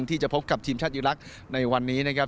ที่จะพบกับทีมชาติอีรักษ์ในวันนี้นะครับ